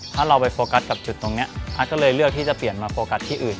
ถ้าเราไปโฟกัสกับจุดตรงนี้อาร์ตก็เลยเลือกที่จะเปลี่ยนมาโฟกัสที่อื่น